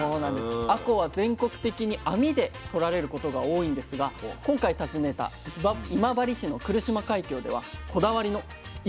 あこうは全国的に網でとられることが多いんですが今回訪ねた今治市の来島海峡ではこだわりの一本釣りが行われています。